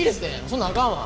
そんなんあかんわ。